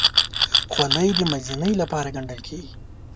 خولۍ د مزینۍ لپاره ګنډل کېږي.